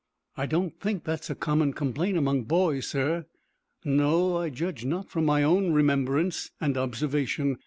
"I don't think that is a common complaint among boys, sir." "No, I judge not from my own remembrance and observation.